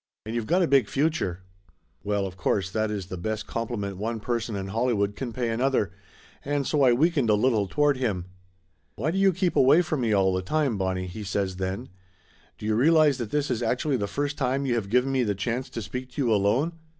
"And you've got a big future !" Well, of course that is the best compliment one per son in Hollywood can pay another, and so I weakened a little toward him. "Why do you keep away from me all the time, Bon 170 Laughter Limited 171 nie?" he says then. "Do you realize that this is actually the first time you have given me the chance to speak to you alone?